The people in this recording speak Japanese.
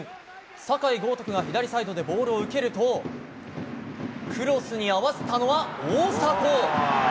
酒井高徳が左サイドでボールを受けるとクロスに合わせたのは大迫。